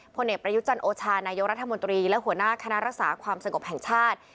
ผลเอกประยุจันโอชานายกรัฐมนตรีและหัวหน้าคณะรักษาความสงบแห่งชาติ